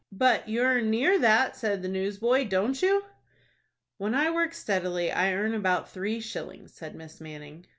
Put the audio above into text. "But you earn near that," said the newsboy, "don't you?" "When I work steadily, I earn about three shillings," said Miss Manning.